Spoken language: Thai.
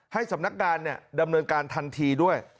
ให้สำนักงานดำเนินการทันทีด้วย